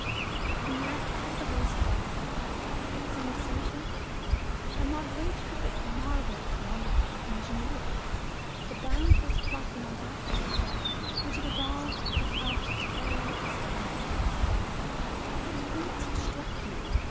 And that was the whole story. It seemed so simple! and Marguerite could but marvel at the wonderful ingenuity, the boundless pluck and audacity which had evolved and helped to carry out this daring plan. "But those brutes struck you!"